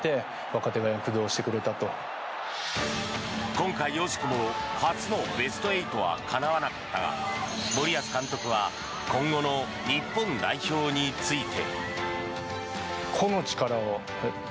今回惜しくも初のベスト８はかなわなかったが森保監督は今後の日本代表について。